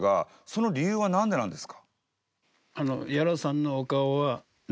その理由は何でなんですか？